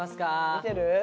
見てる？